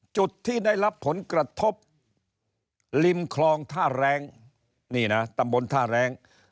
จุดที่ได้รับผลกระทบริมคลองท่าแรงนี่นะตำบลท่าแรง